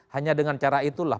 hanya dengan cara itulah